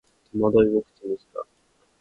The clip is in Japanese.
戸惑いを口にした